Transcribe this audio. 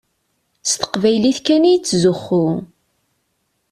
S teqbaylit kan i yettzuxxu.